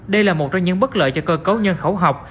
đây là một doanh nhân bất lợi cho cơ cấu nhân khẩu học